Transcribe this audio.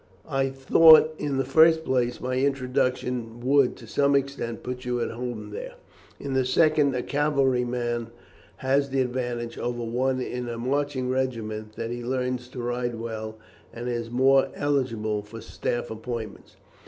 I thought, in the first place, my introduction would to some extent put you at home there. In the second, a cavalry man has the advantage over one in a marching regiment that he learns to ride well, and is more eligible for staff appointments.